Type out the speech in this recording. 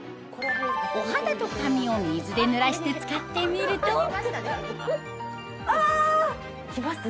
お肌と髪を水でぬらして使ってみるとあ！来ます？